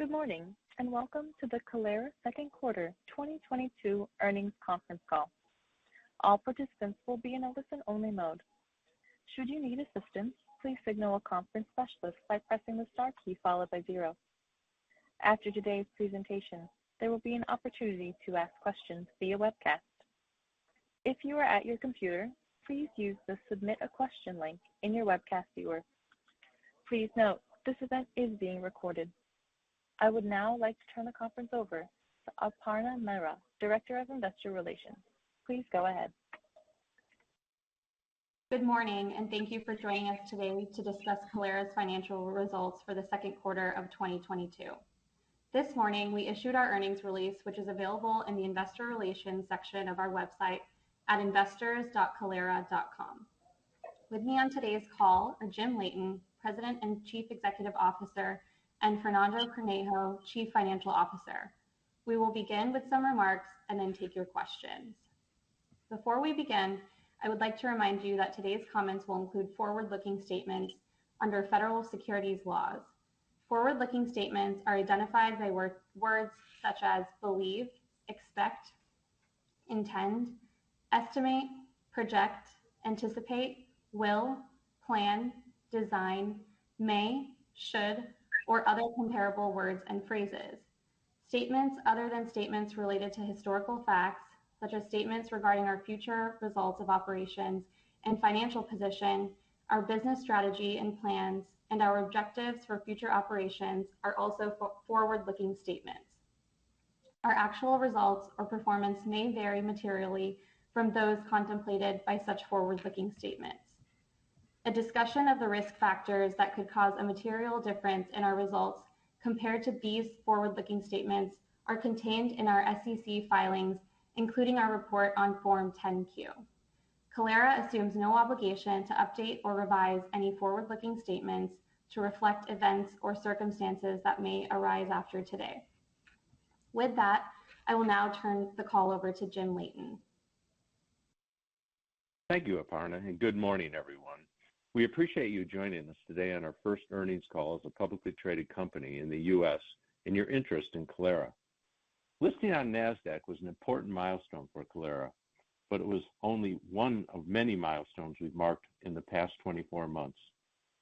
Good morning, and welcome to the Kalera second quarter 2022 earnings conference call. All participants will be in a listen-only mode. Should you need assistance, please signal a conference specialist by pressing the star key followed by zero. After today's presentation, there will be an opportunity to ask questions via webcast. If you are at your computer, please use the Submit a Question link in your webcast viewer. Please note, this event is being recorded. I would now like to turn the conference over to Aparna Mehra, Director of Investor Relations. Please go ahead. Good morning, and thank you for joining us today to discuss Kalera's financial results for the second quarter of 2022. This morning we issued our earnings release, which is available in the investor relations section of our website at investors.kalera.com. With me on today's call are Jim Leighton, President and Chief Executive Officer, and Fernando Cornejo, Chief Financial Officer. We will begin with some remarks and then take your questions. Before we begin, I would like to remind you that today's comments will include forward-looking statements under federal securities laws. Forward-looking statements are identified by words such as believe, expect, intend, estimate, project, anticipate, will, plan, design, may, should, or other comparable words and phrases. Statements other than statements related to historical facts, such as statements regarding our future results of operations and financial position, our business strategy and plans, and our objectives for future operations are also forward-looking statements. Our actual results or performance may vary materially from those contemplated by such forward-looking statements. A discussion of the risk factors that could cause a material difference in our results compared to these forward-looking statements are contained in our SEC filings, including our report on Form 10-Q. Kalera assumes no obligation to update or revise any forward-looking statements to reflect events or circumstances that may arise after today. With that, I will now turn the call over to Jim Leighton. Thank you, Aparna, and good morning, everyone. We appreciate you joining us today on our first earnings call as a publicly traded company in the U.S., and your interest in Kalera. Listing on Nasdaq was an important milestone for Kalera, but it was only one of many milestones we've marked in the past 24 months,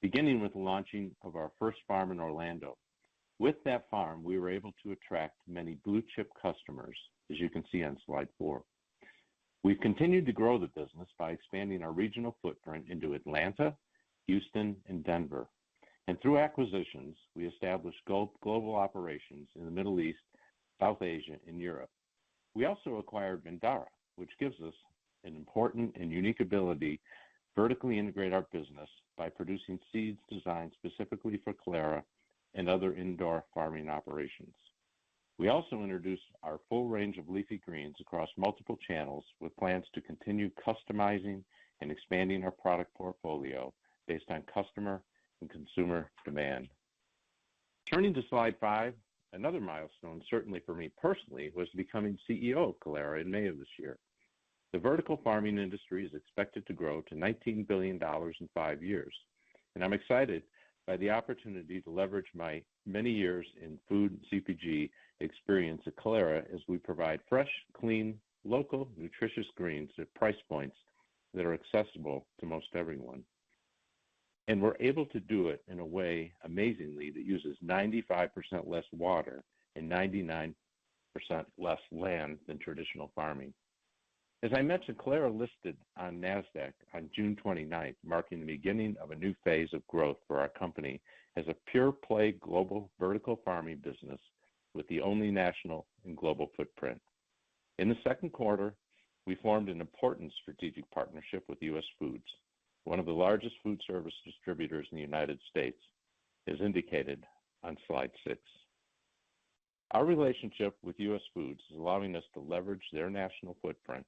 beginning with the launching of our first farm in Orlando. With that farm, we were able to attract many blue-chip customers, as you can see on slide 4. We've continued to grow the business by expanding our regional footprint into Atlanta, Houston, and Denver. Through acquisitions, we established global operations in the Middle East, Southeast Asia, and Europe. We also acquired Vindara, which gives us an important and unique ability to vertically integrate our business by producing seeds designed specifically for Kalera and other indoor farming operations. We also introduced our full range of leafy greens across multiple channels with plans to continue customizing and expanding our product portfolio based on customer and consumer demand. Turning to slide five, another milestone, certainly for me personally, was becoming CEO of Kalera in May of this year. The vertical farming industry is expected to grow to $19 billion in five years, and I'm excited by the opportunity to leverage my many years in food CPG experience at Kalera as we provide fresh, clean, local, nutritious greens at price points that are accessible to most everyone. We're able to do it in a way, amazingly, that uses 95% less water and 99% less land than traditional farming. As I mentioned, Kalera listed on Nasdaq on June 29, marking the beginning of a new phase of growth for our company as a pure-play global vertical farming business with the only national and global footprint. In the second quarter, we formed an important strategic partnership with US Foods, one of the largest food service distributors in the United States, as indicated on slide 6. Our relationship with US Foods is allowing us to leverage their national footprint,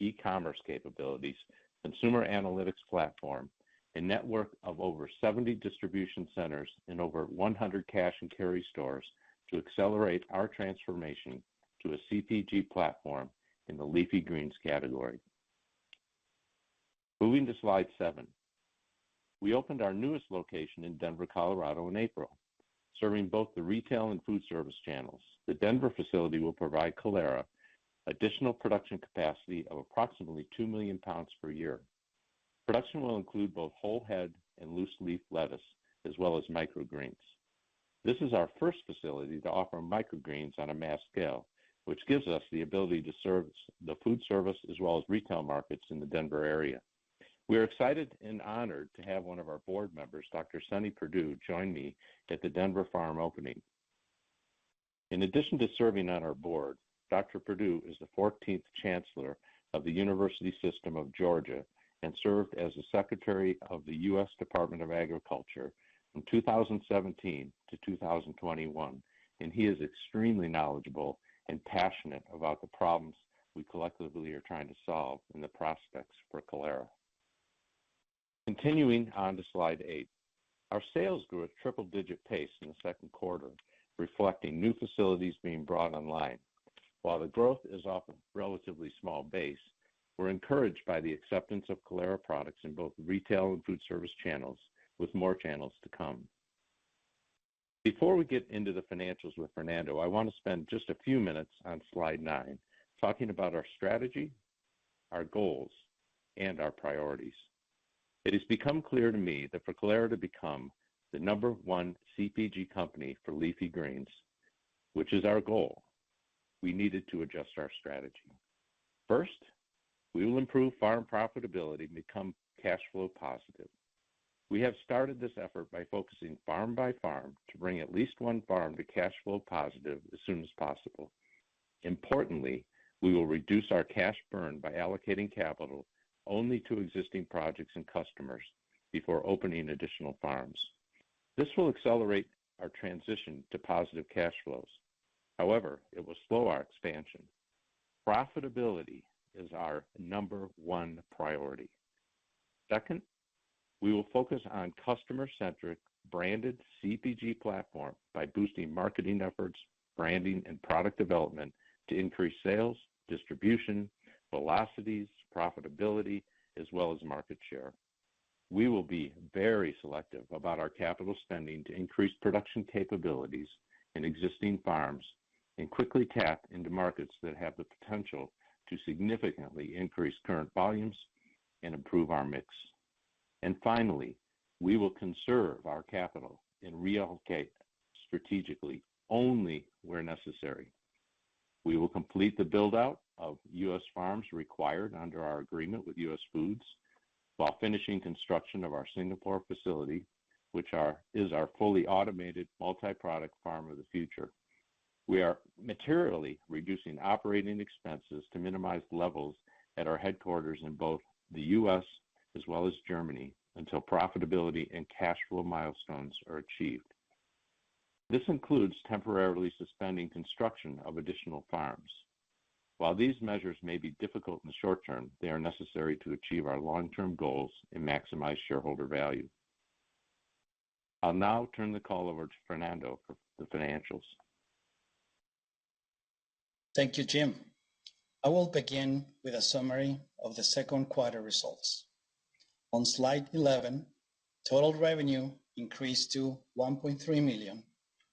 e-commerce capabilities, consumer analytics platform, a network of over 70 distribution centers and over 100 cash and carry stores to accelerate our transformation to a CPG platform in the leafy greens category. Moving to slide 7. We opened our newest location in Denver, Colorado in April, serving both the retail and food service channels. The Denver facility will provide Kalera additional production capacity of approximately 2 million pounds per year. Production will include both whole head and loose leaf lettuce as well as microgreens. This is our first facility to offer microgreens on a mass scale, which gives us the ability to service the food service as well as retail markets in the Denver area. We are excited and honored to have one of our board members, Dr. Sonny Perdue, join me at the Denver farm opening. In addition to serving on our board, Dr. Perdue is the 14th Chancellor of the University System of Georgia and served as the Secretary of the U.S. Department of Agriculture from 2017-2021, and he is extremely knowledgeable and passionate about the problems we collectively are trying to solve and the prospects for Kalera. Continuing on to slide 8. Our sales grew at triple-digit pace in the second quarter, reflecting new facilities being brought online. While the growth is off a relatively small base, we're encouraged by the acceptance of Kalera products in both retail and food service channels, with more channels to come. Before we get into the financials with Fernando, I wanna spend just a few minutes on slide nine talking about our strategy, our goals, and our priorities. It has become clear to me that for Kalera to become the number one CPG company for leafy greens, which is our goal, we needed to adjust our strategy. First, we will improve farm profitability and become cash flow positive. We have started this effort by focusing farm by farm to bring at least one farm to cash flow positive as soon as possible. Importantly, we will reduce our cash burn by allocating capital only to existing projects and customers before opening additional farms. This will accelerate our transition to positive cash flows. However, it will slow our expansion. Profitability is our number one priority. Second, we will focus on customer-centric branded CPG platform by boosting marketing efforts, branding, and product development to increase sales, distribution, velocities, profitability, as well as market share. We will be very selective about our capital spending to increase production capabilities in existing farms, and quickly tap into markets that have the potential to significantly increase current volumes and improve our mix. Finally, we will conserve our capital and reallocate strategically only where necessary. We will complete the build-out of U.S. farms required under our agreement with US Foods while finishing construction of our Singapore facility, which is our fully automated multi-product farm of the future. We are materially reducing operating expenses to minimal levels at our headquarters in both the U.S. as well as Germany, until profitability and cash flow milestones are achieved. This includes temporarily suspending construction of additional farms. While these measures may be difficult in the short term, they are necessary to achieve our long-term goals and maximize shareholder value. I'll now turn the call over to Fernando for the financials. Thank you, Jim. I will begin with a summary of the second quarter results. On slide 11, total revenue increased to $1.3 million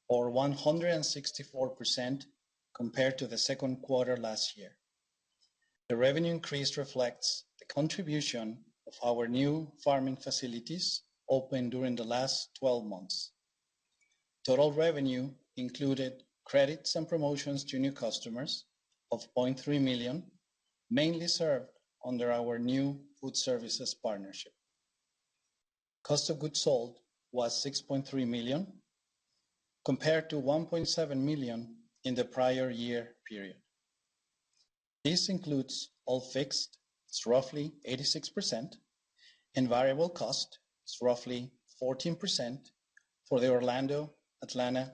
or 164% compared to the second quarter last year. The revenue increase reflects the contribution of our new farming facilities opened during the last 12 months. Total revenue included credits and promotions to new customers of $0.3 million, mainly served under our new food services partnership. Cost of goods sold was $6.3 million, compared to $1.7 million in the prior year period. This includes all fixed, it's roughly 86%, and variable cost, it's roughly 14% for the Orlando, Atlanta,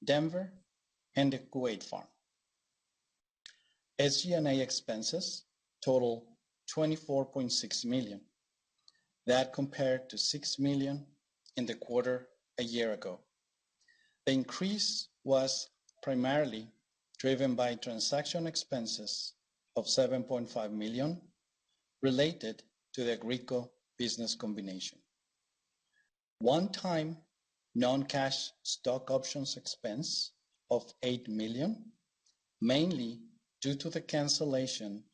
Houston, Denver, and the Kuwait farm. SG&A expenses total $24.6 million. That compared to $6 million in the quarter a year ago. The increase was primarily driven by transaction expenses of $7.5 million related to the Agrico business combination. One-time non-cash stock options expense of $8 million, mainly due to the cancellation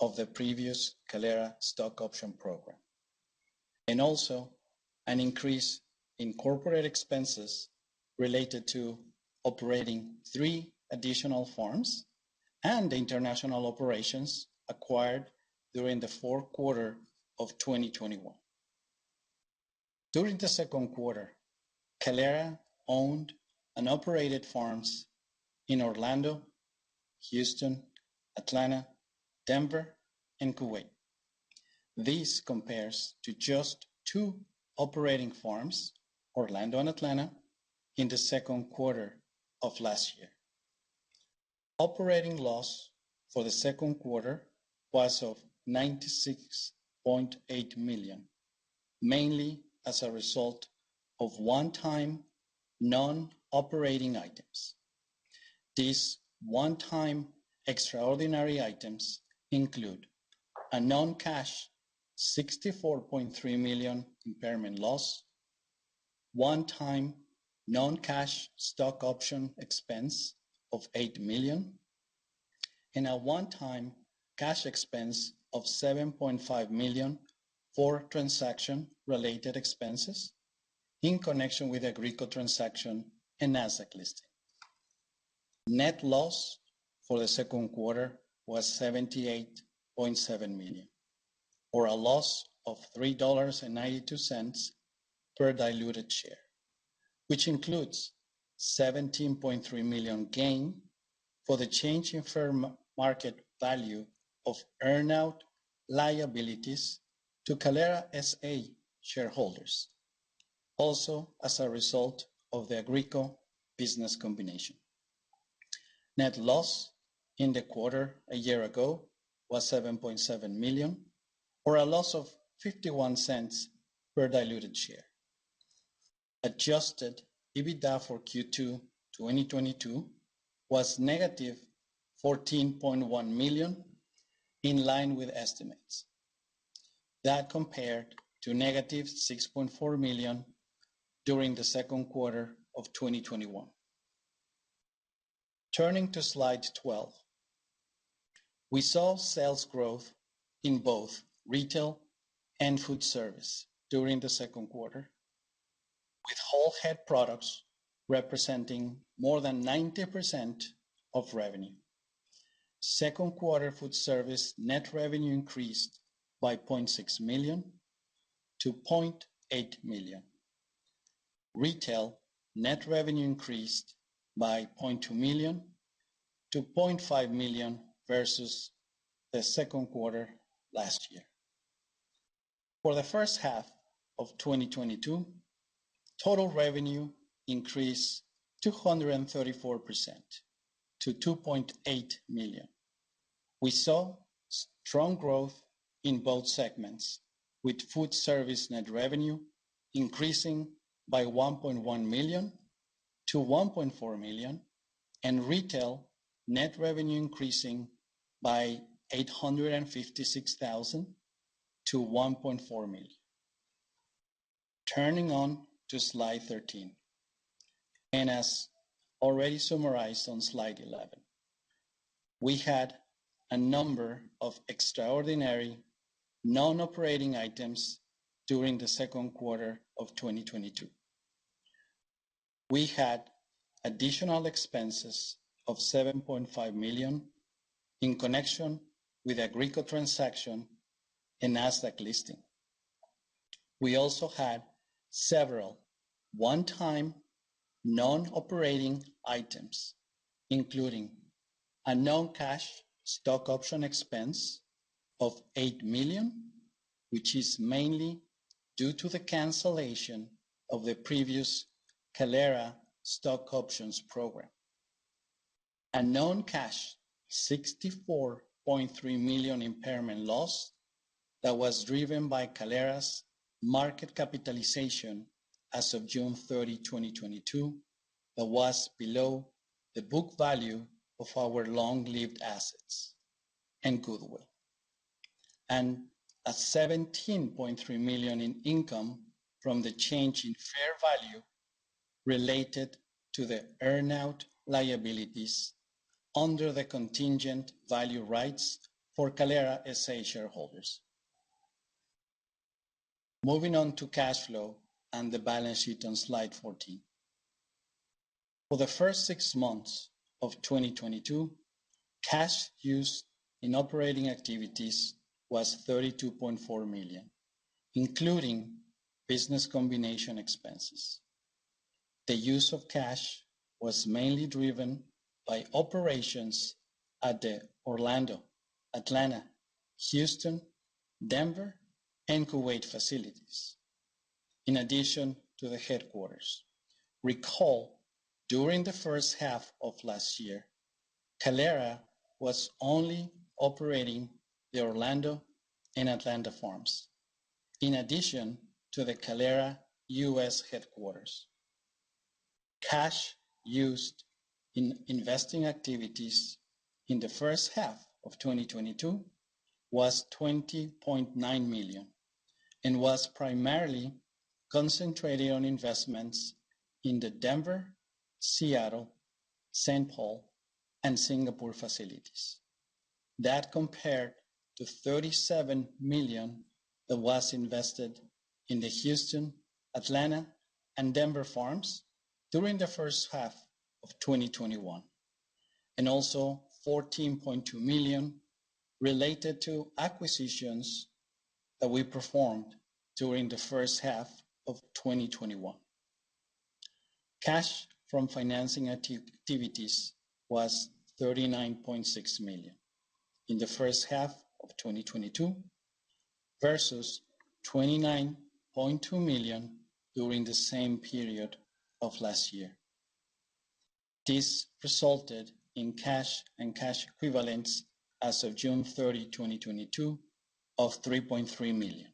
of the previous Kalera stock option program. Also an increase in corporate expenses related to operating three additional farms and the international operations acquired during the fourth quarter of 2021. During the second quarter, Kalera owned and operated farms in Orlando, Houston, Atlanta, Denver, and Kuwait. This compares to just two operating farms, Orlando and Atlanta, in the second quarter of last year. Operating loss for the second quarter was $96.8 million, mainly as a result of one-time non-operating items. These one-time extraordinary items include a non-cash $64.3 million impairment loss, one-time non-cash stock option expense of $8 million, and a one-time cash expense of $7.5 million for transaction related expenses in connection with Agrico transaction and Nasdaq listing. Net loss for the second quarter was $78.7 million, or a loss of $3.92 per diluted share, which includes $17.3 million gain for the change in fair market value of earnout liabilities to Kalera S.A. shareholders, also as a result of the Agrico business combination. Net loss in the quarter a year ago was $7.7 million, or a loss of $0.51 per diluted share. Adjusted EBITDA for Q2 2022 was -$14.1 million in line with estimates. That compared to -$6.4 million during the second quarter of 2021. Turning to slide 12. We saw sales growth in both retail and food service during the second quarter, with whole head products representing more than 90% of revenue. Second quarter food service net revenue increased by $0.6 million-$0.8 million. Retail net revenue increased by $0.2 million-$0.5 million versus the second quarter last year. For the first half of 2022, total revenue increased 234% to $2.8 million. We saw strong growth in both segments, with food service net revenue increasing by $1.1 million-$1.4 million, and retail net revenue increasing by $856,000-$1.4 million. Turning to slide 13. As already summarized on slide 11, we had a number of extraordinary non-operating items during the second quarter of 2022. We had additional expenses of $7.5 million in connection with Agrico transaction and Nasdaq listing. We also had several one-time non-operating items, including a non-cash stock option expense of $8 million, which is mainly due to the cancellation of the previous Kalera stock options program, a non-cash $64.3 million impairment loss that was driven by Kalera's market capitalization as of June 30, 2022, that was below the book value of our long-lived assets and goodwill, and $17.3 million in income from the change in fair value related to the earn-out liabilities under the contingent value rights for Kalera S.A. shareholders. Moving on to cash flow and the balance sheet on slide 14. For the first six months of 2022, cash used in operating activities was $32.4 million, including business combination expenses. The use of cash was mainly driven by operations at the Orlando, Atlanta, Houston, Denver, and Kuwait facilities, in addition to the headquarters. Recall, during the first half of last year, Kalera was only operating the Orlando and Atlanta farms. In addition to the Kalera U.S. headquarters. Cash used in investing activities in the first half of 2022 was $20.9 million and was primarily concentrated on investments in the Denver, Seattle, St. Paul, and Singapore facilities. That compared to $37 million that was invested in the Houston, Atlanta, and Denver farms during the first half of 2021, and also $14.2 million related to acquisitions that we performed during the first half of 2021. Cash from financing activities was $39.6 million in the first half of 2022 versus $29.2 million during the same period of last year. This resulted in cash and cash equivalents as of June 30, 2022 of $3.3 million.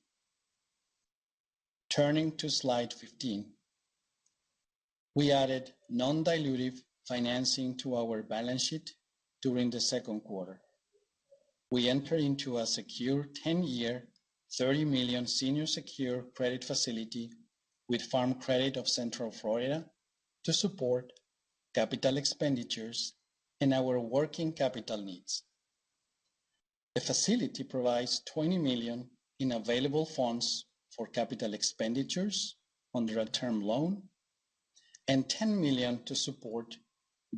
Turning to slide 15. We added non-dilutive financing to our balance sheet during the second quarter. We entered into a 10-year, $30 million senior secure credit facility with Farm Credit of Central Florida to support capital expenditures and our working capital needs. The facility provides $20 million in available funds for capital expenditures under a term loan and $10 million to support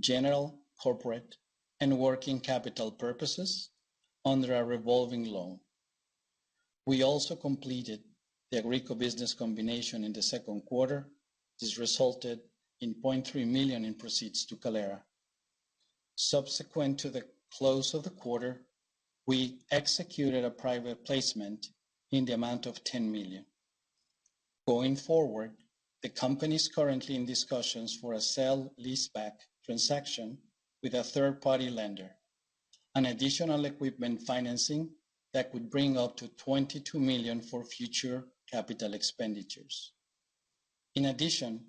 general, corporate, and working capital purposes under a revolving loan. We also completed the Agrico business combination in the second quarter. This resulted in $0.3 million in proceeds to Kalera. Subsequent to the close of the quarter, we executed a private placement in the amount of $10 million. Going forward, the company is currently in discussions for a sale-leaseback transaction with a third-party lender. An additional equipment financing that would bring up to $22 million for future capital expenditures. In addition,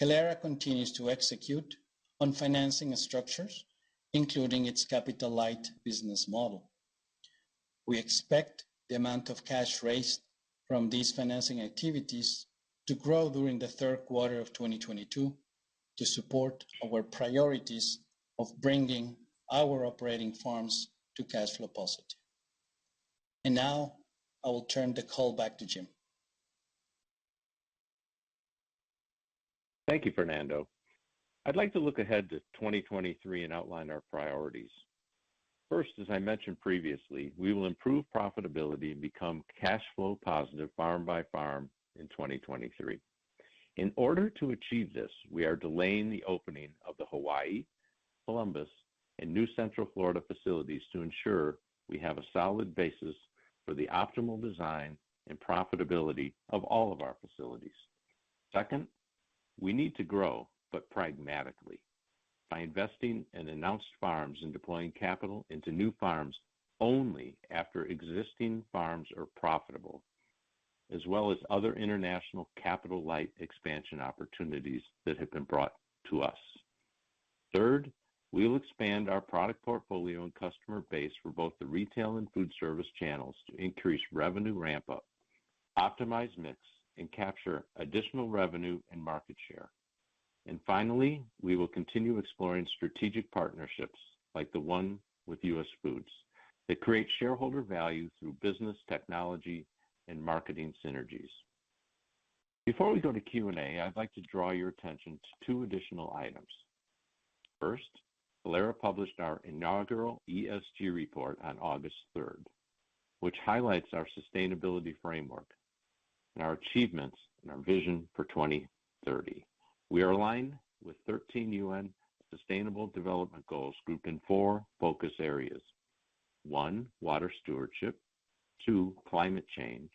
Kalera continues to execute on financing structures, including its capital-light business model. We expect the amount of cash raised from these financing activities to grow during the third quarter of 2022 to support our priorities of bringing our operating farms to cash flow positive. Now I will turn the call back to Jim. Thank you, Fernando. I'd like to look ahead to 2023 and outline our priorities. First, as I mentioned previously, we will improve profitability and become cash flow positive farm by farm in 2023. In order to achieve this, we are delaying the opening of the Hawaii, Columbus, and new Central Florida facilities to ensure we have a solid basis for the optimal design and profitability of all of our facilities. Second, we need to grow, but pragmatically by investing in announced farms and deploying capital into new farms only after existing farms are profitable, as well as other international capital-light expansion opportunities that have been brought to us. Third, we will expand our product portfolio and customer base for both the retail and food service channels to increase revenue ramp-up, optimize mix, and capture additional revenue and market share. Finally, we will continue exploring strategic partnerships like the one with US Foods that create shareholder value through business, technology, and marketing synergies. Before we go to Q&A, I'd like to draw your attention to two additional items. First, Kalera published our inaugural ESG report on August third, which highlights our sustainability framework and our achievements and our vision for 2030. We are aligned with 13 UN Sustainable Development Goals grouped in four focus areas. One, water stewardship. Two, climate change.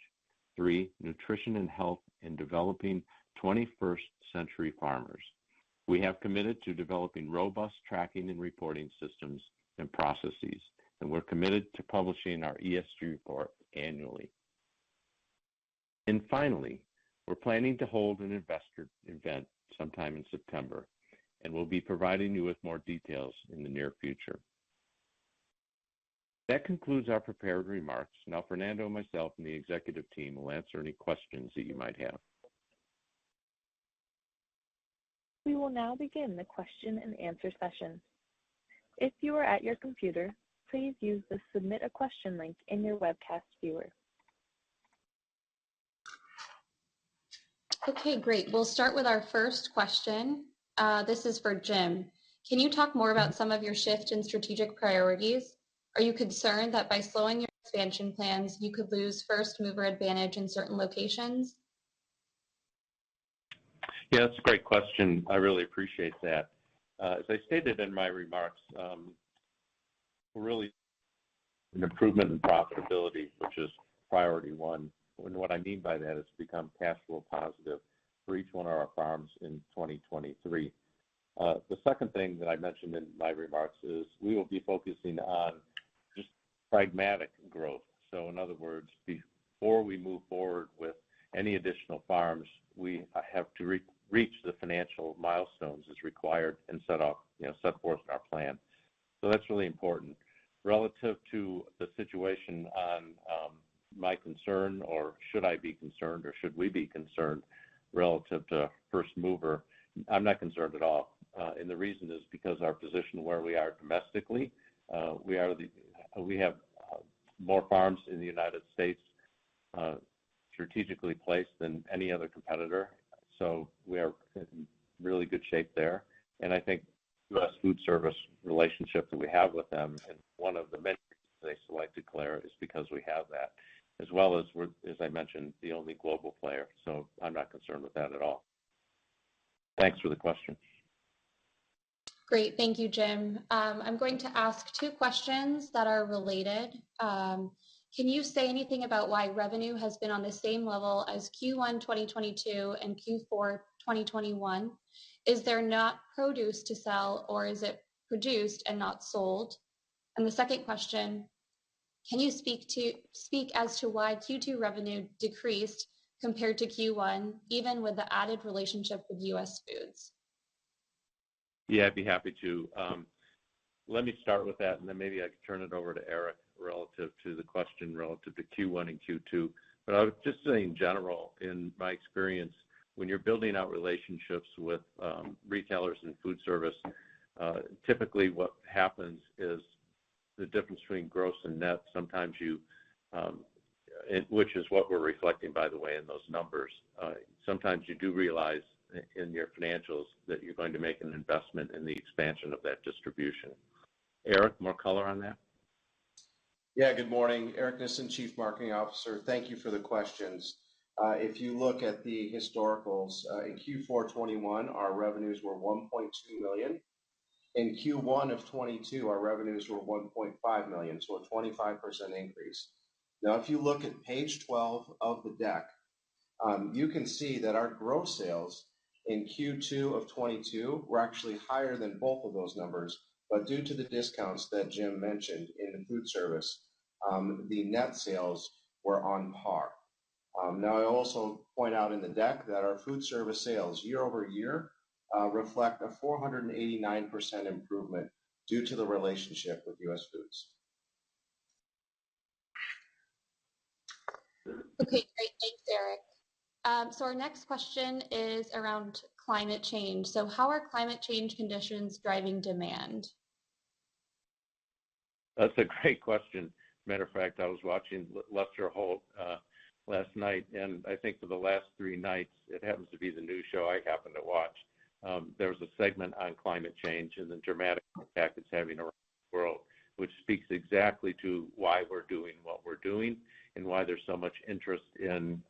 Three, nutrition and health, and developing twenty-first century farmers. We have committed to developing robust tracking and reporting systems and processes, and we're committed to publishing our ESG report annually. Finally, we're planning to hold an investor event sometime in September, and we'll be providing you with more details in the near future. That concludes our prepared remarks. Now Fernando and myself and the executive team will answer any questions that you might have. We will now begin the question and answer session. If you are at your computer, please use the Submit a Question link in your webcast viewer. Okay, great. We'll start with our first question. This is for Jim. Can you talk more about some of your shift in strategic priorities? Are you concerned that by slowing your expansion plans, you could lose first mover advantage in certain locations? Yeah, that's a great question. I really appreciate that. As I stated in my remarks, really an improvement in profitability, which is priority one. What I mean by that is to become cash flow positive for each one of our farms in 2023. The second thing that I mentioned in my remarks is we will be focusing on just pragmatic growth. In other words, before we move forward with any additional farms, we have to reach the financial milestones as required and set forth, you know, in our plan. That's really important. Relative to the situation on my concern or should I be concerned or should we be concerned relative to first mover, I'm not concerned at all. The reason is because our position where we are domestically, we have more farms in the United States, strategically placed than any other competitor. We are in really good shape there. I think US Foods relationship that we have with them, and one of the metrics they selected Kalera is because we have that as well as we're, as I mentioned, the only global player. I'm not concerned with that at all. Thanks for the question. Great. Thank you, Jim. I'm going to ask two questions that are related. Can you say anything about why revenue has been on the same level as Q1 2022 and Q4 2021? Is there not produce to sell, or is it produced and not sold? The second question, can you speak as to why Q2 revenue decreased compared to Q1, even with the added relationship with US Foods? Yeah, I'd be happy to. Let me start with that, and then maybe I could turn it over to Aric relative to the question relative to Q1 and Q2. I would just say in general, in my experience, when you're building out relationships with retailers and food service, typically what happens is the difference between gross and net sometimes you, which is what we're reflecting, by the way, in those numbers. Sometimes you do realize in your financials that you're going to make an investment in the expansion of that distribution. Aric, more color on that. Yeah, good morning. Aric Nissen, Chief Marketing Officer. Thank you for the questions. If you look at the historicals, in Q4 2021, our revenues were $1.2 million. In Q1 of 2022, our revenues were $1.5 million, so a 25% increase. Now, if you look at page 12 of the deck. You can see that our gross sales in Q2 of 2022 were actually higher than both of those numbers. Due to the discounts that Jim mentioned in food service, the net sales were on par. Now I also point out in the deck that our food service sales year-over-year reflect a 489% improvement due to the relationship with US Foods. Okay, great. Thanks, Aric. Our next question is around climate change. How are climate change conditions driving demand? That's a great question. Matter of fact, I was watching Lester Holt last night, and I think for the last three nights, it happens to be the new show I happen to watch. There was a segment on climate change and the dramatic impact it's having around the world, which speaks exactly to why we're doing what we're doing and why there's so much interest in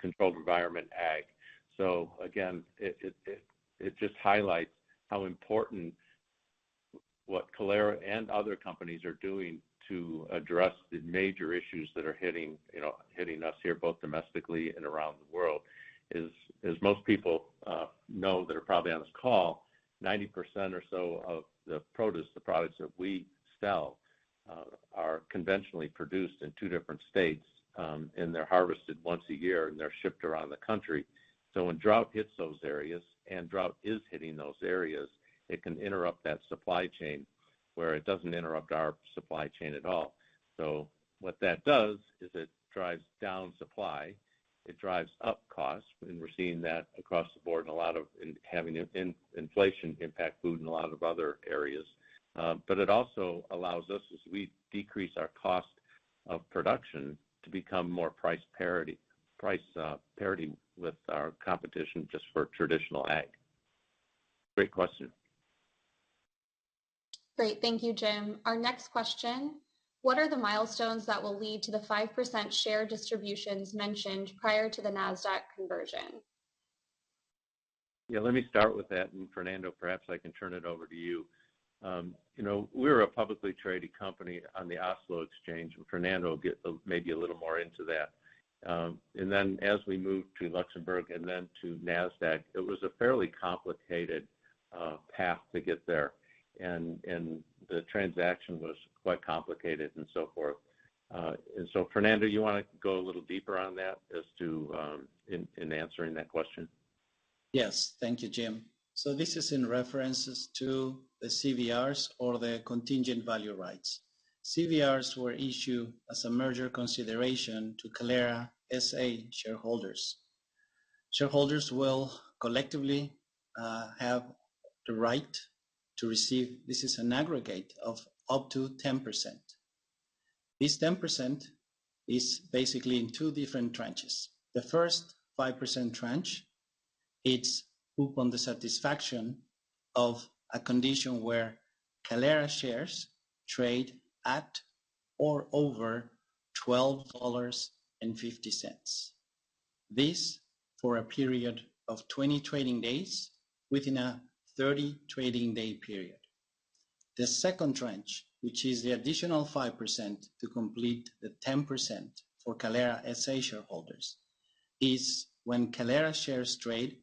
Controlled Environment Agriculture. Again, it just highlights how important what Kalera and other companies are doing to address the major issues that are hitting, you know, hitting us here both domestically and around the world is, as most people know that are probably on this call, 90% or so of the produce, the products that we sell, are conventionally produced in two different states, and they're harvested once a year, and they're shipped around the country. When drought hits those areas, and drought is hitting those areas, it can interrupt that supply chain where it doesn't interrupt our supply chain at all. What that does is it drives down supply, it drives up costs, and we're seeing that across the board and a lot of inflation impacting food in a lot of other areas. It also allows us as we decrease our cost of production to become more price parity with our competition just for traditional ag. Great question. Great. Thank you, Jim. Our next question, what are the milestones that will lead to the 5% share distributions mentioned prior to the Nasdaq conversion? Yeah, let me start with that, and Fernando, perhaps I can turn it over to you. You know, we're a publicly traded company on the Oslo Børs, and Fernando will get maybe a little more into that. Then as we moved to Luxembourg and then to Nasdaq, it was a fairly complicated path to get there. The transaction was quite complicated and so forth. Fernando, you wanna go a little deeper on that as to in answering that question? Yes. Thank you, Jim. This is in references to the CVRs or the contingent value rights. CVRs were issued as a merger consideration to Kalera S.A. shareholders. Shareholders will collectively have the right to receive. This is an aggregate of up to 10%. This 10% is basically in two different tranches. The first 5% tranche, it's upon the satisfaction of a condition where Kalera shares trade at or over $12.50. This for a period of 20 trading days within a 30 trading day period. The second tranche, which is the additional 5% to complete the 10% for Kalera S.A. shareholders, is when Kalera shares trade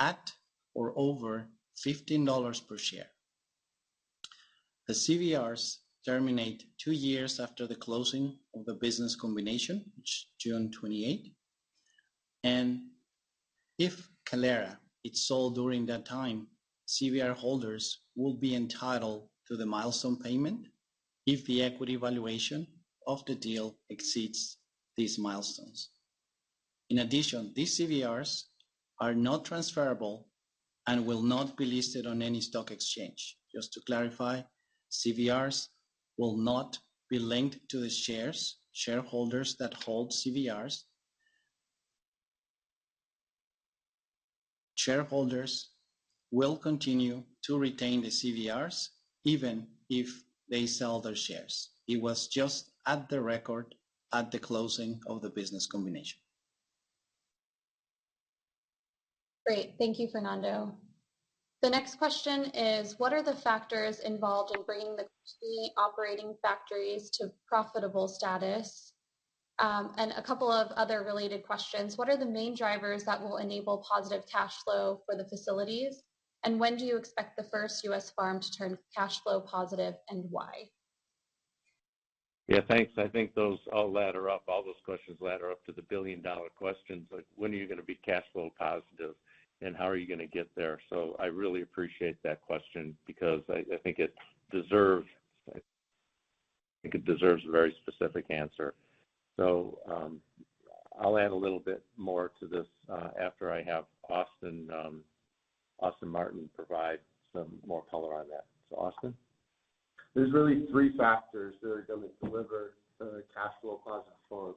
at or over $15 per share. The CVRs terminate two years after the closing of the business combination, which is June 28. If Kalera is sold during that time, CVR holders will be entitled to the milestone payment if the equity valuation of the deal exceeds these milestones. In addition, these CVRs are not transferable and will not be listed on any stock exchange. Just to clarify, CVRs will not be linked to the shares of shareholders that hold CVRs. Shareholders will continue to retain the CVRs even if they sell their shares. It was just as of the record date at the closing of the business combination. Great. Thank you, Fernando. The next question is, what are the factors involved in bringing the key operating factories to profitable status? A couple of other related questions. What are the main drivers that will enable positive cash flow for the facilities? And when do you expect the first U.S. farm to turn cash flow positive and why? Yeah, thanks. I think those all ladder up. All those questions ladder up to the billion-dollar questions like when are you gonna be cash flow positive, and how are you gonna get there? I really appreciate that question because I think it deserves a very specific answer. I'll add a little bit more to this after I have Austin Martin provide some more color on that. Austin. There's really three factors that are gonna deliver cash flow positive farms.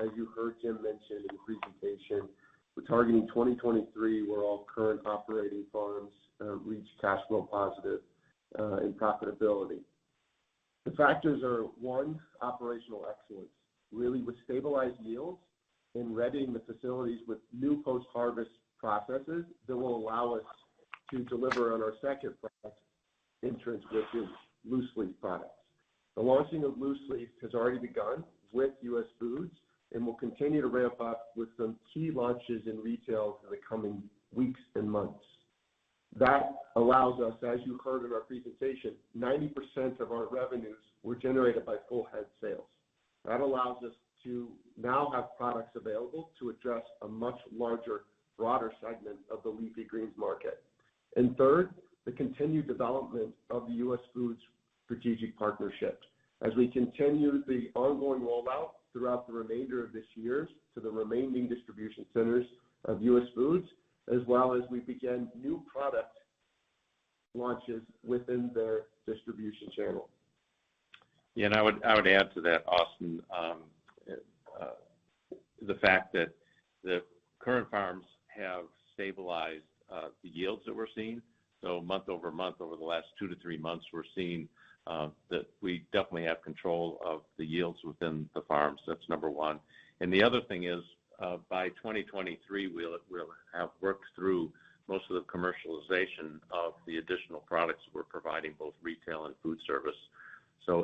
As you heard Jim mention in the presentation, we're targeting 2023, where all current operating farms reach cash flow positive and profitability. The factors are one, operational excellence. Really with stabilized yields and readying the facilities with new post-harvest processes that will allow us to deliver on our second factor. In terms of these loose leaf products. The launching of loose leaf has already begun with US Foods and will continue to ramp up with some key launches in retail in the coming weeks and months. That allows us, as you heard in our presentation, 90% of our revenues were generated by whole head sales. That allows us to now have products available to address a much larger, broader segment of the leafy greens market. Third, the continued development of the US Foods strategic partnership. As we continue the ongoing rollout throughout the remainder of this year to the remaining distribution centers of US Foods, as well as we begin new product launches within their distribution channel. Yeah, I would add to that, Austin, the fact that the current farms have stabilized the yields that we're seeing. Month-over-month, over the last two to three months, we're seeing that we definitely have control of the yields within the farms. That's number one. The other thing is, by 2023, we'll have worked through most of the commercialization of the additional products we're providing both retail and food service.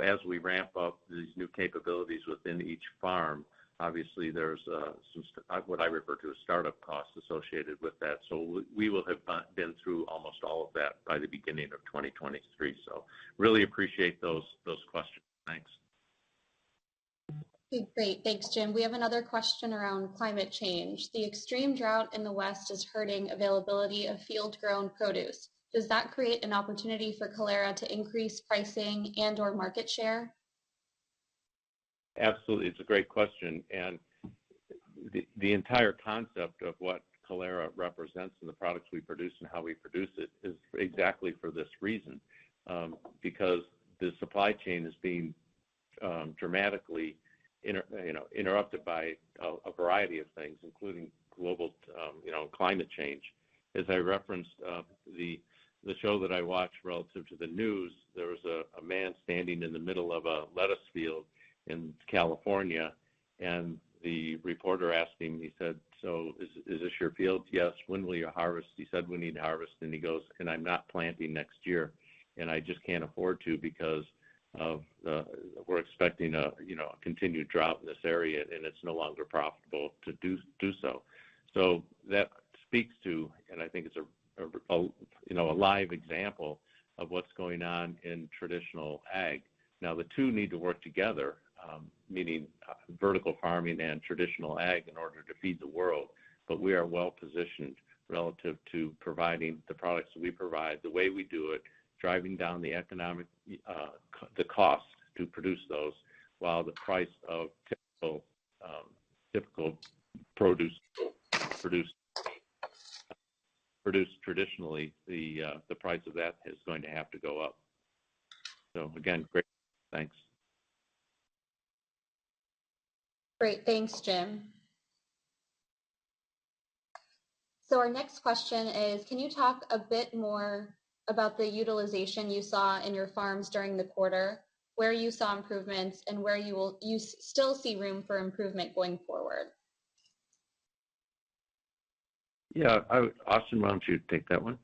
As we ramp up these new capabilities within each farm, obviously there's some, what I refer to as start-up costs associated with that. We will have been through almost all of that by the beginning of 2023. I really appreciate those questions. Thanks. Okay, great. Thanks, Jim. We have another question around climate change. The extreme drought in the West is hurting availability of field-grown produce. Does that create an opportunity for Kalera to increase pricing and/or market share? Absolutely. It's a great question. The entire concept of what Kalera represents and the products we produce and how we produce it is exactly for this reason. Because the supply chain is being dramatically interrupted by a variety of things, including global you know climate change. As I referenced, the show that I watch relative to the news, there was a man standing in the middle of a lettuce field in California, and the reporter asked him, he said, "So is this your field?" "Yes." "When will you harvest?" He said, "We need to harvest." Then he goes, "I'm not planting next year, and I just can't afford to because we're expecting a continued drought in this area, and it's no longer profitable to do so." That speaks to, and I think it's a live example of what's going on in traditional ag. The two need to work together, meaning vertical farming and traditional ag in order to feed the world. We are well-positioned relative to providing the products that we provide, the way we do it, driving down the economic, the cost to produce those, while the price of typical produce produced traditionally, the price of that is going to have to go up. Again, great. Thanks. Great. Thanks, Jim. Our next question is, can you talk a bit more about the utilization you saw in your farms during the quarter, where you saw improvements and where you still see room for improvement going forward? Yeah. Austin, why don't you take that one?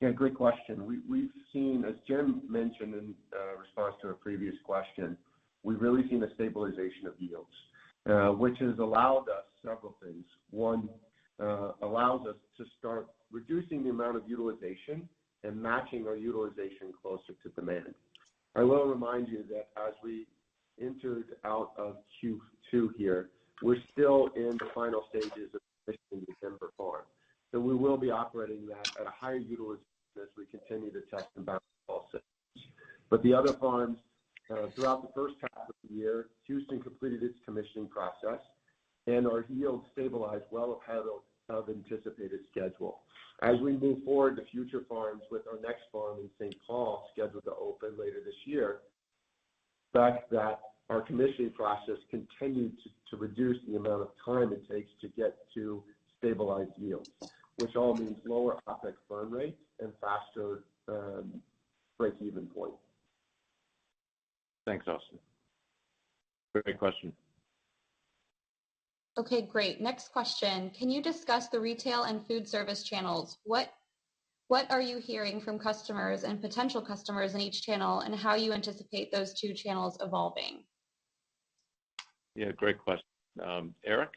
Yeah, great question. We've seen, as Jim mentioned in response to a previous question, we've really seen a stabilization of yields, which has allowed us several things. One allows us to start reducing the amount of utilization and matching our utilization closer to demand. I will remind you that as we entered Q2 here, we're still in the final stages of the December farm. We will be operating that at a higher utilization as we continue to test and balance all systems. The other farms throughout the first half of the year, Houston completed its commissioning process and our yields stabilized well ahead of anticipated schedule. As we move forward to future farms with our next farm in St. Paul scheduled to open later this year, the fact that our commissioning process continued to reduce the amount of time it takes to get to stabilized yields, which all means lower OpEx burn rates and faster break-even point. Thanks, Austin. Great question. Okay, great. Next question. Can you discuss the retail and food service channels? What are you hearing from customers and potential customers in each channel and how you anticipate those two channels evolving? Yeah, great question. Aric?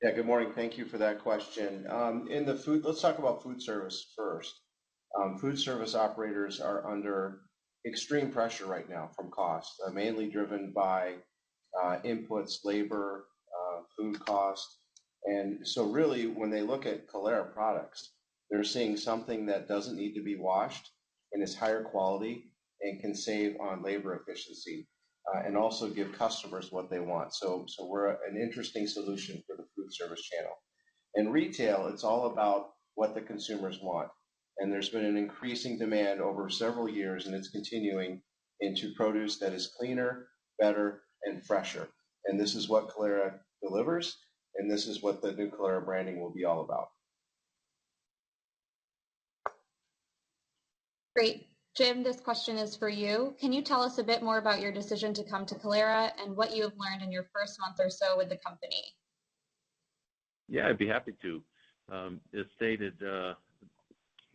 Yeah, good morning. Thank you for that question. Let's talk about food service first. Food service operators are under extreme pressure right now from cost, mainly driven by inputs, labor, food costs. Really, when they look at Kalera products, they're seeing something that doesn't need to be washed and is higher quality and can save on labor efficiency, and also give customers what they want. We're an interesting solution for the food service channel. In retail, it's all about what the consumers want. There's been an increasing demand over several years, and it's continuing, into produce that is cleaner, better, and fresher. This is what Kalera delivers, and this is what the new Kalera branding will be all about. Great. Jim, this question is for you. Can you tell us a bit more about your decision to come to Kalera and what you have learned in your first month or so with the company? Yeah, I'd be happy to. As stated by Austin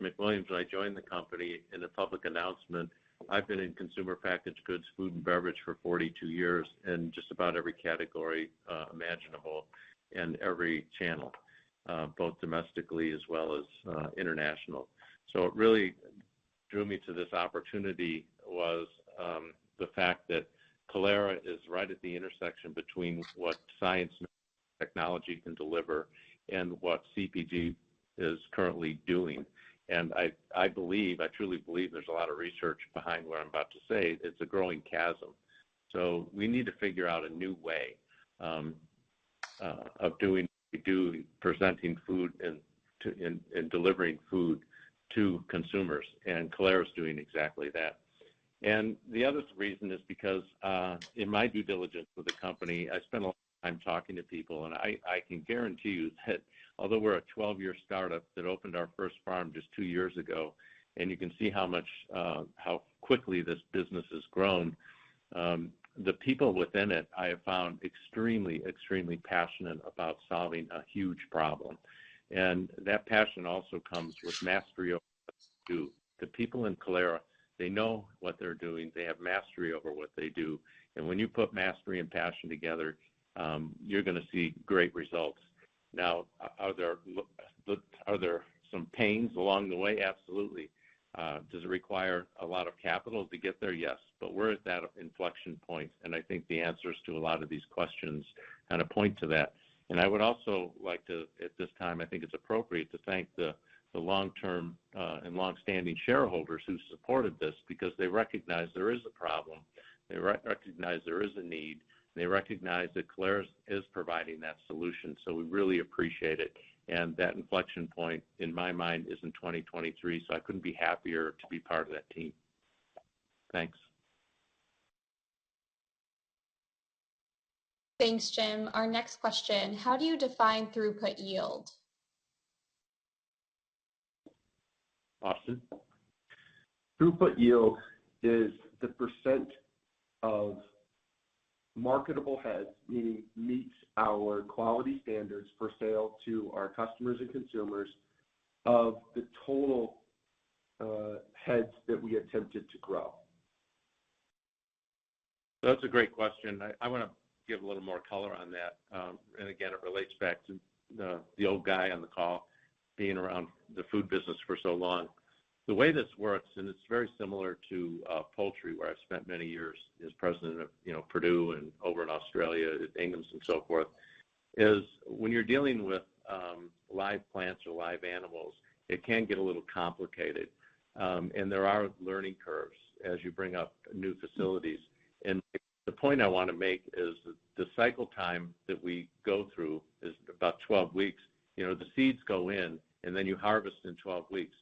Martin, I joined the company in a public announcement. I've been in consumer packaged goods, food, and beverage for 42 years in just about every category imaginable and every channel both domestically as well as international. What really drew me to this opportunity was the fact that Kalera is right at the intersection between what science and technology can deliver and what CPG is currently doing. I believe I truly believe there's a lot of research behind what I'm about to say. It's a growing chasm. We need to figure out a new way of doing presenting food and delivering food to consumers, and Kalera's doing exactly that. The other reason is because, in my due diligence with the company, I spent a lot of time talking to people, and I can guarantee you that although we're a 12-year startup that opened our first farm just two years ago, and you can see how much, how quickly this business has grown, the people within it, I have found extremely passionate about solving a huge problem. That passion also comes with mastery of what they do. The people in Kalera, they know what they're doing. They have mastery over what they do. When you put mastery and passion together, you're gonna see great results. Now, are there some pains along the way? Absolutely. Does it require a lot of capital to get there? Yes. We're at that inflection point, and I think the answers to a lot of these questions kind of point to that. I would also like to, at this time, I think it's appropriate to thank the long-term and long-standing shareholders who supported this because they recognize there is a problem, they recognize there is a need, and they recognize that Kalera is providing that solution. We really appreciate it. That inflection point, in my mind, is in 2023, so I couldn't be happier to be part of that team. Thanks. Thanks, Jim. Our next question, how do you define throughput yield? Austin? Throughput yield is the percent of marketable heads, meaning meets our quality standards for sale to our customers and consumers, of the total heads that we attempted to grow. That's a great question. I wanna give a little more color on that. Again, it relates back to the old guy on the call being around the food business for so long. The way this works, and it's very similar to poultry, where I've spent many years as president of, you know, Perdue and over in Australia at Inghams and so forth, is when you're dealing with live plants or live animals, it can get a little complicated. There are learning curves as you bring up new facilities. The point I wanna make is the cycle time that we go through is about 12 weeks. You know, the seeds go in, and then you harvest in 12 weeks.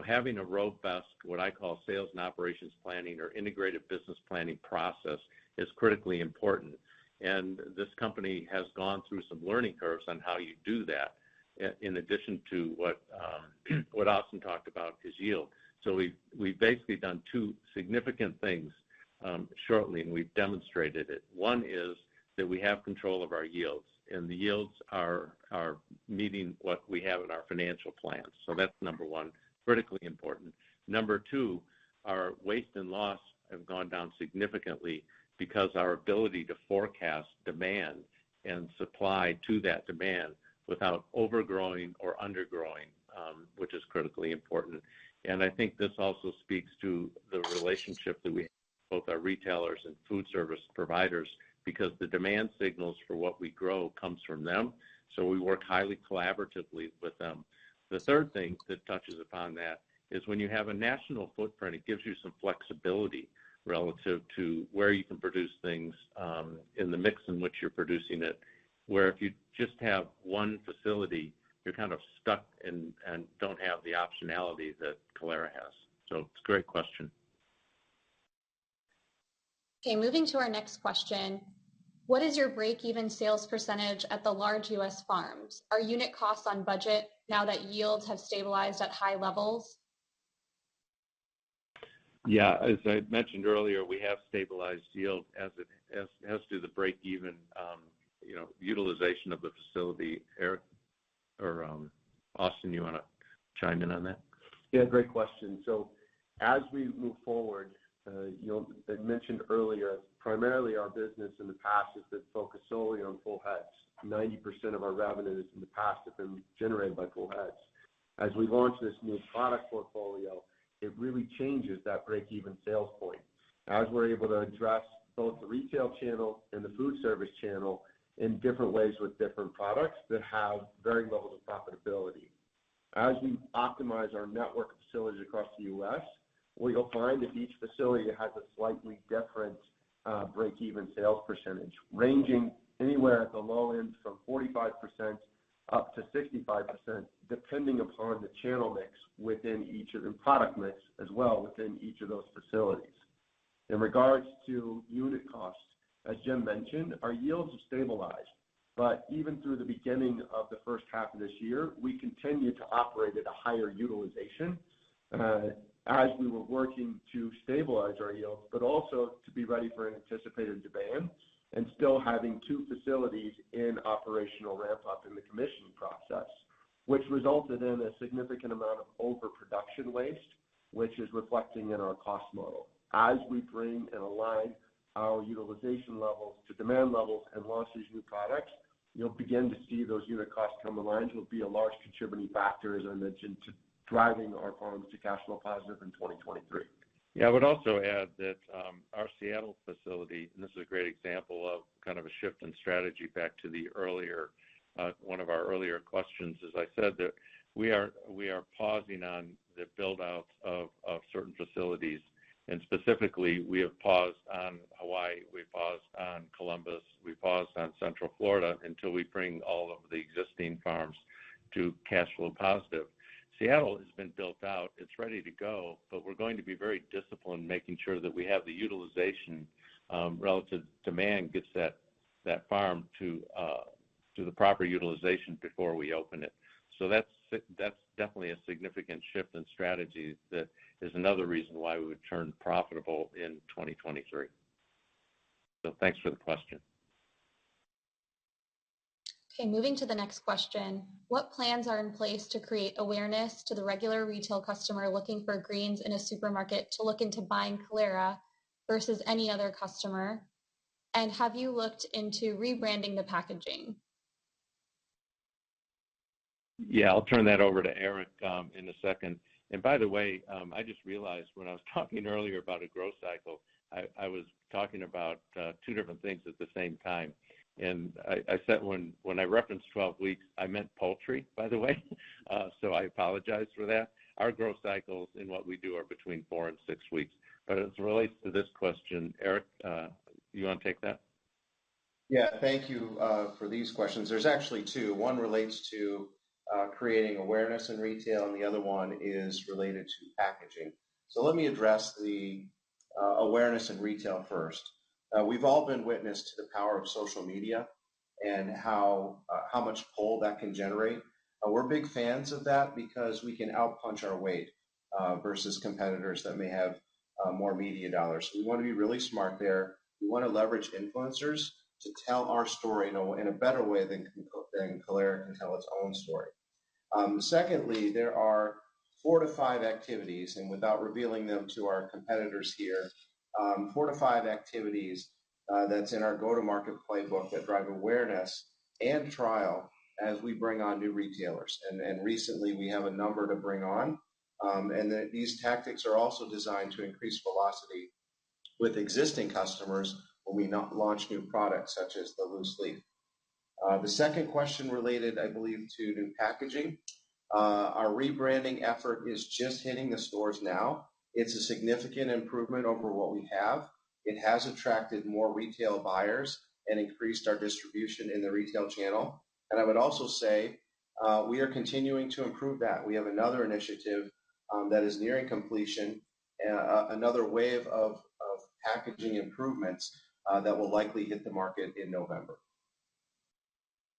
Having a robust, what I call sales and operations planning or integrated business planning process is critically important. This company has gone through some learning curves on how you do that in addition to what Austin talked about, is yield. We've basically done two significant things, shortly, and we've demonstrated it. One is that we have control of our yields, and the yields are meeting what we have in our financial plans. That's number one, critically important. Number two, our waste and loss have gone down significantly because our ability to forecast demand and supply to that demand without overgrowing or undergrowing, which is critically important. I think this also speaks to the relationship that we have with both our retailers and food service providers, because the demand signals for what we grow comes from them, so we work highly collaboratively with them. The third thing that touches upon that is when you have a national footprint, it gives you some flexibility relative to where you can produce things, and the mix in which you're producing it. Where if you just have one facility, you're kind of stuck and don't have the optionality that Kalera has. It's a great question. Okay, moving to our next question. What is your break-even sales percentage at the large U.S. farms? Are unit costs on budget now that yields have stabilized at high levels? Yeah. As I mentioned earlier, we have stabilized yield. As to the break even, you know, utilization of the facility, Aric or Austin, you wanna chime in on that? Yeah, great question. As we move forward, you know, I mentioned earlier, primarily our business in the past has been focused solely on whole heads. 90% of our revenue in the past have been generated by whole heads. As we launch this new product portfolio, it really changes that break-even sales point. As we're able to address both the retail channel and the food service channel in different ways with different products that have varying levels of profitability. As we optimize our network facilities across the U.S., what you'll find is each facility has a slightly different, break-even sales percentage, ranging anywhere at the low end from 45%-65%, depending upon the channel mix within each of the product mix as well within each of those facilities. In regards to unit costs, as Jim mentioned, our yields have stabilized, but even through the beginning of the first half of this year, we continued to operate at a higher utilization, as we were working to stabilize our yields, but also to be ready for an anticipated demand and still having two facilities in operational ramp up in the commissioning process, which resulted in a significant amount of overproduction waste, which is reflecting in our cost model. As we bring and align our utilization levels to demand levels and launch these new products, you'll begin to see those unit costs come aligned. It will be a large contributing factor, as I mentioned, to driving our farms to cash flow positive in 2023. Yeah. I would also add that, our Seattle facility, and this is a great example of kind of a shift in strategy back to the earlier, one of our earlier questions, as I said, that we are pausing on the build-outs of certain facilities. Specifically, we have paused on Hawaii, we paused on Columbus, we paused on Central Florida until we bring all of the existing farms to cash flow positive. Seattle has been built out, it's ready to go, but we're going to be very disciplined making sure that we have the utilization, relative demand gets that farm to the proper utilization before we open it. That's definitely a significant shift in strategy that is another reason why we would turn profitable in 2023. Thanks for the question. Okay, moving to the next question. What plans are in place to create awareness to the regular retail customer looking for greens in a supermarket to look into buying Kalera versus any other customer? And have you looked into rebranding the packaging? Yeah, I'll turn that over to Aric in a second. By the way, I just realized when I was talking earlier about a growth cycle, I was talking about two different things at the same time. I said when I referenced 12 weeks, I meant poultry, by the way. I apologize for that. Our growth cycles in what we do are between four and six weeks. As it relates to this question, Aric, you wanna take that? Yeah. Thank you for these questions. There's actually two. One relates to creating awareness in retail, and the other one is related to packaging. Let me address the awareness in retail first. We've all been witness to the power of social media and how much pull that can generate. We're big fans of that because we can out-punch our weight versus competitors that may have more media dollars. We wanna be really smart there. We wanna leverage influencers to tell our story in a better way than Kalera can tell its own story. Secondly, there are four to five activities, and without revealing them to our competitors here, that's in our go-to-market playbook that drive awareness and trial as we bring on new retailers. Recently, we have a number to bring on, and these tactics are also designed to increase velocity with existing customers when we now launch new products such as the loose leaf. The second question related, I believe, to new packaging. Our rebranding effort is just hitting the stores now. It's a significant improvement over what we have. It has attracted more retail buyers and increased our distribution in the retail channel. I would also say we are continuing to improve that. We have another initiative that is nearing completion, another wave of packaging improvements that will likely hit the market in November.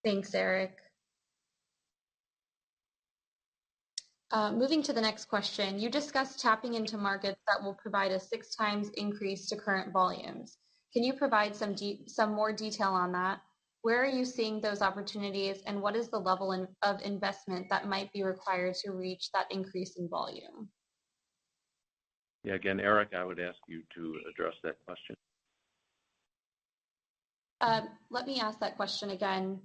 Thanks, Aric. Moving to the next question. You discussed tapping into markets that will provide a 6 times increase to current volumes. Can you provide some more detail on that? Where are you seeing those opportunities, and what is the level of investment that might be required to reach that increase in volume? Yeah. Again, Aric, I would ask you to address that question. Let me ask that question again.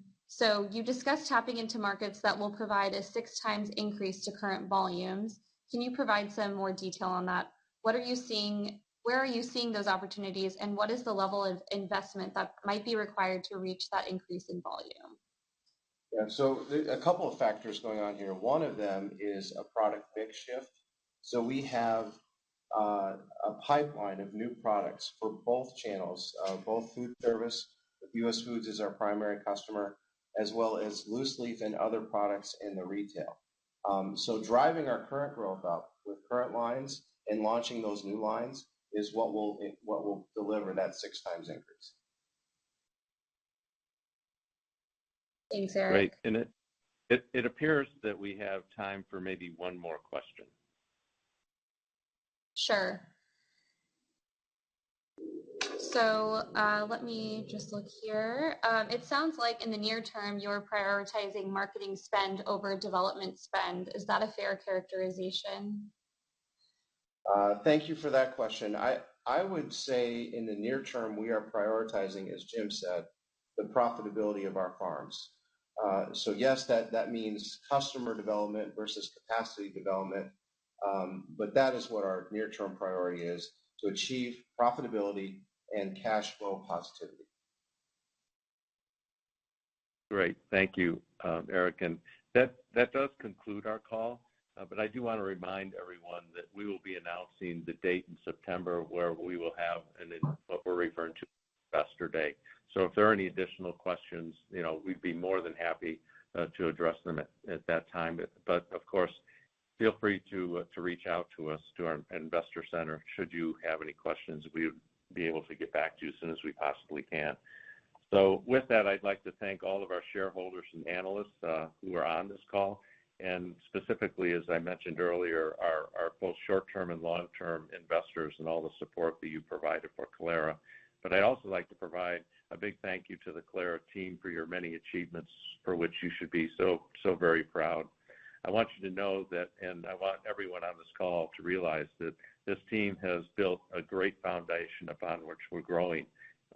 You discussed tapping into markets that will provide a 6x increase to current volumes. Can you provide some more detail on that? What are you seeing? Where are you seeing those opportunities, and what is the level of investment that might be required to reach that increase in volume? Yeah. A couple of factors going on here. One of them is a product mix shift. We have a pipeline of new products for both channels, both food service, US Foods is our primary customer, as well as loose leaf and other products in the retail. Driving our current growth up with current lines and launching those new lines is what will deliver that 6x increase. Thanks, Aric. Great. It appears that we have time for maybe one more question. Sure. Let me just look here. It sounds like in the near term, you're prioritizing marketing spend over development spend. Is that a fair characterization? Thank you for that question. I would say in the near term, we are prioritizing, as Jim said, the profitability of our farms. Yes, that means customer development versus capacity development. That is what our near-term priority is, to achieve profitability and cash flow positivity. Great. Thank you, Aric. That does conclude our call. I do want to remind everyone that we will be announcing the date in September where we will have what we're referring to as Investor Day. If there are any additional questions, you know, we'd be more than happy to address them at that time. Of course, feel free to reach out to us, to our investor center should you have any questions. We would be able to get back to you as soon as we possibly can. With that, I'd like to thank all of our shareholders and analysts who are on this call, and specifically, as I mentioned earlier, our both short-term and long-term investors and all the support that you provided for Kalera. I'd also like to provide a big thank you to the Kalera team for your many achievements for which you should be so very proud. I want you to know that, and I want everyone on this call to realize that this team has built a great foundation upon which we're growing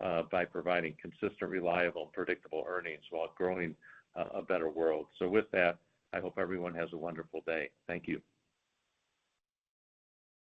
by providing consistent, reliable, and predictable earnings while growing a better world. With that, I hope everyone has a wonderful day. Thank you.